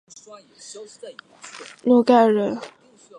主要人口是阿斯特拉罕鞑靼人与诺盖人。